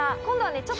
今度はね。